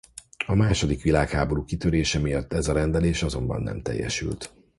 A második világháború kitörése miatt ez a rendelés azonban nem teljesült.